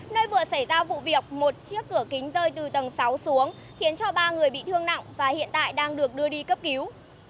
nơi vừa xảy ra vụ việc một chiếc cửa kính rơi từ tầng sáu xuống khiến cho ba người bị thương nặng và hiện tại đang được đưa đi cấp cứu